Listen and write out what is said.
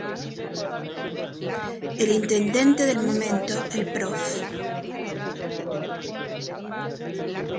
El intendente del momento el Prof.